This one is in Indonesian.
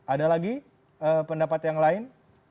ada lagi pendapat yang lain